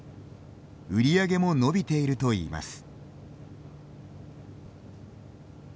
売り上げも伸びているといいます。